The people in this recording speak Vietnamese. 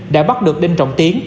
đã bắt được đinh trọng tiến